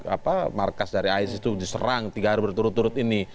apa markas dari isis itu diserang tiga hari berturut turut ini